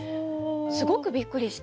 すごくびっくりして。